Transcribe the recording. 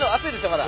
まだ。